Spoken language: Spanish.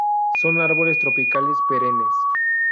Son árboles tropicales perennes.